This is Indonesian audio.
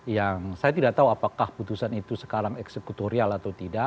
yang saya tidak tahu apakah putusan itu sekarang eksekutorial atau tidak